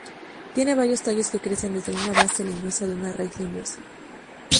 Tiene varios tallos que crecen desde una base leñosa de una raíz leñosa.